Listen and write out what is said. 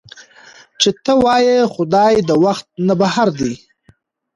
چې تۀ وائې خدائے د وخت نه بهر دے